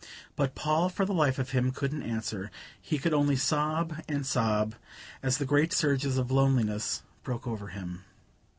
But Paul, for the life of him, couldn't answer: he could only sob and sob as the great surges of loneliness broke over him.